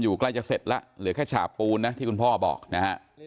ใกล้จะเสร็จแล้วเหลือแค่ฉาบปูนนะที่คุณพ่อบอกนะฮะ